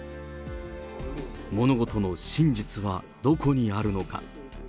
物事の真実はどこにあるのか。